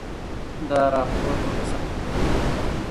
دا راپور به په ساده ژبه خپور سي.